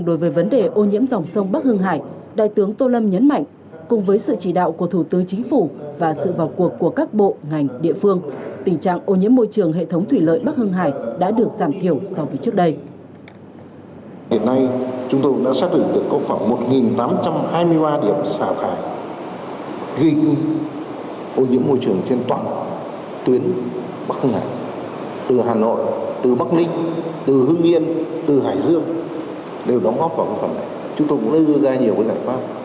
đối với vấn đề ô nhiễm dòng sông bắc hưng hải đại tướng tô lâm nhấn mạnh cùng với sự chỉ đạo của thủ tư chính phủ và sự vào cuộc của các bộ ngành địa phương tình trạng ô nhiễm môi trường hệ thống thủy lợi bắc hưng hải đã được giảm thiểu so với trước đây